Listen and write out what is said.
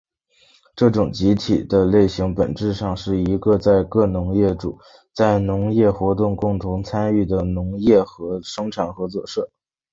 这种集体的类型本质上是一个在各农业主在农业活动共同参与的农业生产合作社。